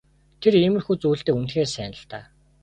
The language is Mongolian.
Тэр иймэрхүү зүйлдээ үнэхээр сайн л даа.